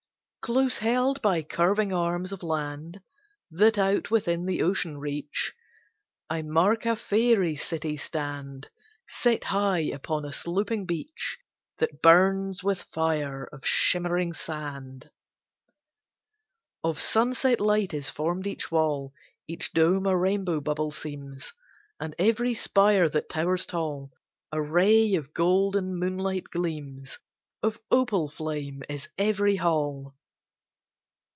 Close held by curving arms of land That out within the ocean reach, I mark a faery city stand, Set high upon a sloping beach That burns with fire of shimmering sand. Of sunset light is formed each wall; Each dome a rainbow bubble seems; And every spire that towers tall A ray of golden moonlight gleams; Of opal flame is every hall.